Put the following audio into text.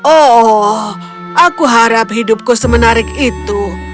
oh aku harap hidupku semenarik itu